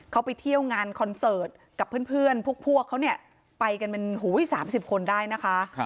เขาไปเที่ยวงานคอนเสิร์ตกับเพื่อนพวกเขาเนี่ยไปกันเป็น๓๐คนได้นะคะ